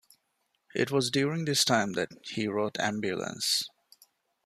It was during this time that he wrote Ambulance!